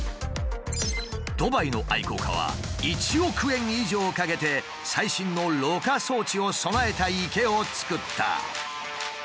ドバイの愛好家は１億円以上かけて最新のろ過装置を備えた池を造った。